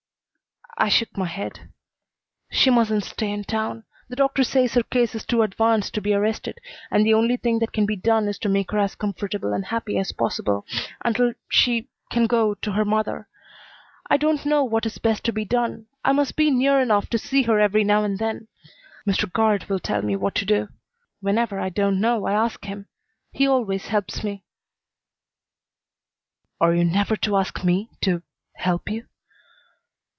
I shook my head. "She mustn't stay in town. The doctor says her case is too advanced to be arrested, and the only thing that can be done is to make her as comfortable and happy as possible until she can go to her mother. I don't know what is best to be done. I must be near enough to see her every now and then. Mr. Guard will tell me what to do. Whenever I don't know I ask him. He always helps me." "Are you never to ask me to help you?"